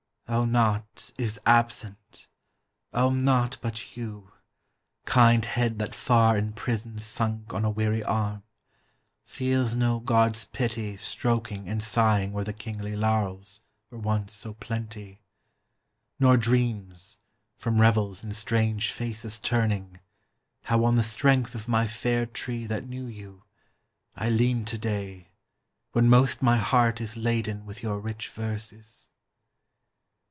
O naught is absent, O naught but you, kind head that far in prison Sunk on a weary arm, feels no god's pity Stroking and sighing where the kingly laurels Were once so plenty, Nor dreams, from revels and strange faces turning, How on the strength of my fair tree that knew you, I lean to day, when most my heart is laden With your rich verses!